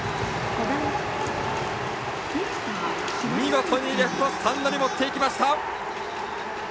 見事にレフトスタンドに持っていきました！